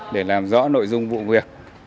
để làm rõ nội dung vụ việc